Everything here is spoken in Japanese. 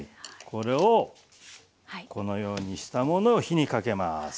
これをこのようにしたものを火にかけます。